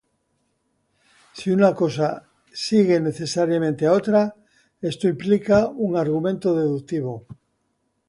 Si una cosa sigue necesariamente a otra, esto implica un argumento deductivo.